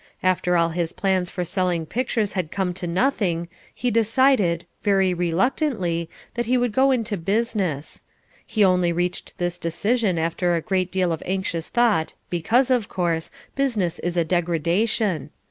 After all his plans for selling pictures had come to nothing he decided, very reluctantly that he would go into business. He only reached this decision after a great deal of anxious thought because, of course, business is a degradation.